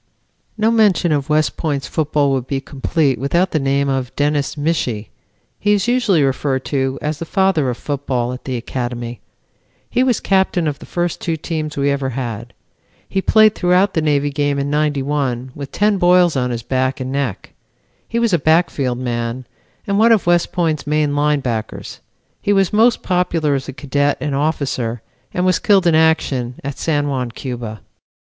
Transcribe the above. "No mention of West Point's football would be complete without the name of Dennis Michie. He is usually referred to as the Father of Football at the Academy. He was captain of the first two teams we ever had. He played throughout the Navy game in '91 with ten boils on his back and neck. He was a backfield man and one of West Point's main line backers. He was most popular as a cadet and officer and was killed in action at San Juan, Cuba.